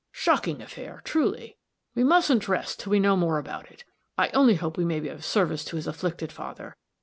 Shocking affair, truly. We mustn't rest till we know more about it. I only hope we may be of service to his afflicted father.